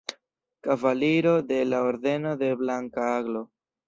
Kavaliro de la Ordeno de Blanka Aglo.